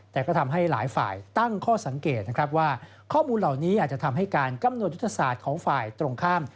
แต่ก็ทำให้หลายฝ่ายตั้งข้อสังเกตนะครับว่าข้อมูลเหล่านี้อาจจะทำให้การกำหนดยุทธศาสตร์ของฝ่ายตรงข้าม